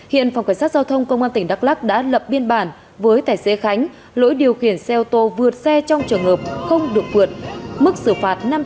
hiện phòng cảnh sát giao thông công an tỉnh đắk lắc đã lập biên bản với tài xế khánh lỗi điều khiển xe ô tô vượt xe trong trường hợp không được vượt mức xử phạt năm triệu đồng và thước giấy phép lái xe trong hai tháng